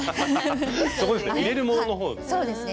そこですね入れるものの方ですね。